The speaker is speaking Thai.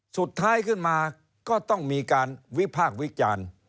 สุดท้ายขึ้นมาก็ต้องมีการวิพากษ์วิจารณ์